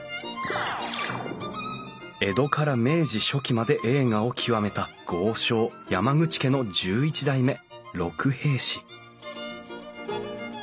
江戸から明治初期まで栄華を極めた豪商山口家の１１代目六平氏